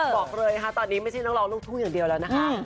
บอกเลยนะคะตอนนี้ไม่ใช่นักร้องลูกทุ่งอย่างเดียวแล้วนะคะ